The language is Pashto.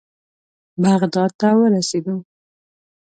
بغداد ته ورسېدو.